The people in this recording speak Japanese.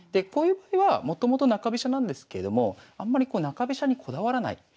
こういう場合はもともと中飛車なんですけれどもあんまりこう中飛車にこだわらない。